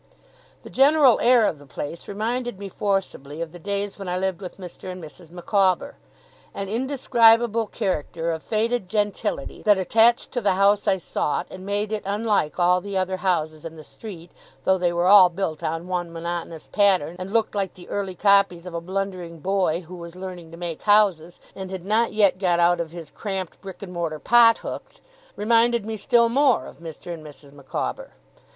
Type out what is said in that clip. The general air of the place reminded me forcibly of the days when I lived with Mr. and Mrs. Micawber. An indescribable character of faded gentility that attached to the house I sought, and made it unlike all the other houses in the street though they were all built on one monotonous pattern, and looked like the early copies of a blundering boy who was learning to make houses, and had not yet got out of his cramped brick and mortar pothooks reminded me still more of Mr. and Mrs. Micawber.